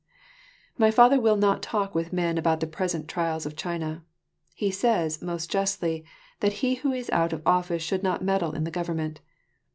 My father will not talk with men about the present trials of China; he says, most justly, that he who is out of office should not meddle in the government.